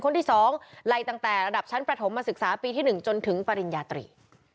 คนที่๒ไล่ตั้งแต่ระดับชั้นประถมมาศึกษาปีที่๑จนถึงปริญญาตรี